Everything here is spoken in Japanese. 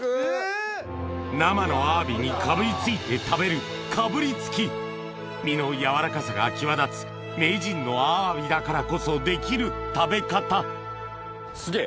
生のアワビにかぶりついて食べるかぶりつき身の軟らかさが際立つ名人のアワビだからこそできる食べ方すげぇ。